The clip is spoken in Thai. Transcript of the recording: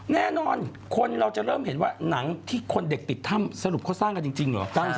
แน่นอนคนเราจะเริ่มเห็นว่าหนังที่คนเด็กติดถ้ำสรุปเขาสร้างกันจริงเหรอ